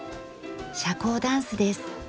社交ダンスです。